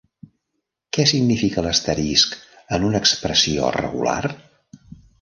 Què significa l'asterisc en una expressió regular?